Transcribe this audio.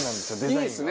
いいですね。